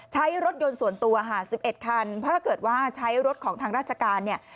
ใช้รถยนต์ส่วนตัวค่ะ๑๑คันเพราะถ้าเกิดว่าใช้รถของทางราชการเนี่ย